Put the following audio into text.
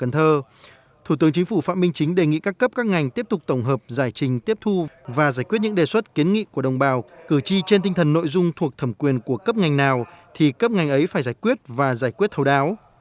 thủ tướng chính phủ phạm minh chính đề nghị các cấp các ngành tiếp tục tổng hợp giải trình tiếp thu và giải quyết những đề xuất kiến nghị của đồng bào cử tri trên tinh thần nội dung thuộc thẩm quyền của cấp ngành nào thì cấp ngành ấy phải giải quyết và giải quyết thấu đáo